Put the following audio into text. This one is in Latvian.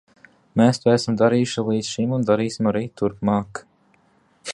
Mēs to esam darījuši līdz šim un darīsim arī turpmāk.